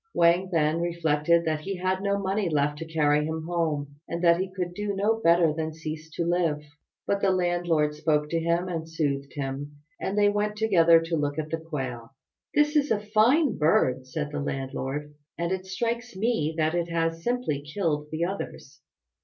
Wang then reflected that he had no money left to carry him home, and that he could not do better than cease to live. But the landlord spoke to him and soothed him, and they went together to look at the quail. "This is a fine bird," said the landlord, "and it strikes me that it has simply killed the others.